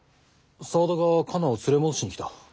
沢田がカナを連れ戻しに来た。